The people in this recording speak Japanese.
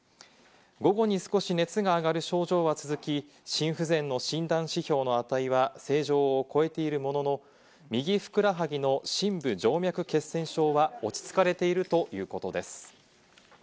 午後に少し熱が上がる症状は続き、心不全の診断指標の値は正常を超えているものの、右ふくらはぎの深部静脈血栓症は落ち着かれているということです。